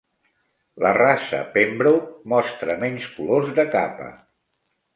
La raça Pembroke mostra menys colors de capa.